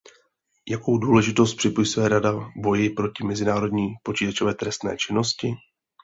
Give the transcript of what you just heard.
Jakou důležitost připisuje Rada boji proti mezinárodní počítačové trestné činnosti?